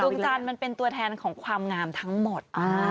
ดวงจันทร์มันเป็นตัวแทนของความงามทั้งหมด